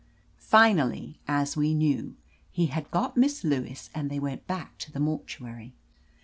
Finally, as we knew, he had got Miss Lewis and they went back to the mortuary.